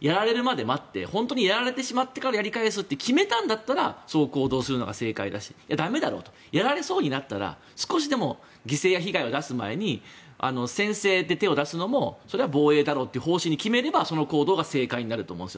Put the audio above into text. やられるまで待って本当にやられてしまってからやり返すと決めたのならそう行動するのが正解だろうし駄目だろうとやられそうになったら少しでも被害を出す前に先制で手を出すのもそれは防衛だろうという方針に決めれば、その行動が正解になると思うんです。